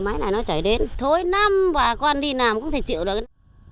máy này nó chảy đến thối năm và con đi nằm cũng không thể chịu được